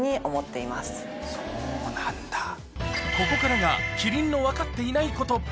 ここからが、キリンの分かっていないこと。